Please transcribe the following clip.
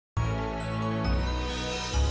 kami akan menemukan yunda subang lara